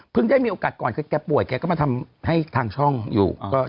ได้มีโอกาสก่อนคือแกป่วยแกก็มาทำให้ทางช่องอยู่